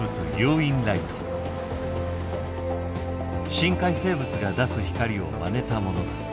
深海生物が出す光をまねたものだ。